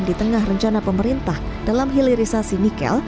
di tengah rencana pemerintah dalam hilirisasi nikel